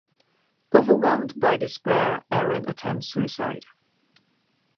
Overwhelmed by despair, Aaron attempts suicide.